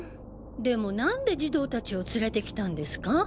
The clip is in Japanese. でもなんで児童達を連れて来たんですか？